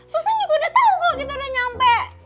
susan juga udah tau kalo kita udah nyampe